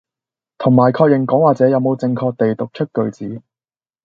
同埋確認講話者有冇正確地讀出句子